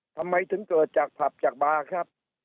ทำไมถึงเกิดจากผับจากบาร์ครับ